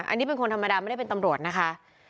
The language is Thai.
อันนี้เป็นคนธรรมดาไม่ได้เป็นตำรวจนะคะ